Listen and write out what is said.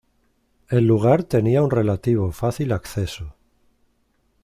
El lugar tenía un relativo fácil acceso.